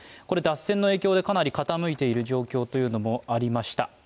これ脱線の影響でかなり傾いている状況というのもありました。